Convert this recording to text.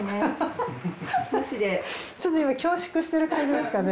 ちょっと今恐縮してる感じですかね。